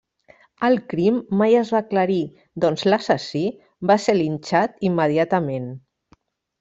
El crim mai es va aclarir doncs l'assassí va ser linxat immediatament.